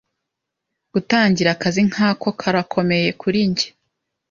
Gutangira, akazi nkako karakomeye kuri njye.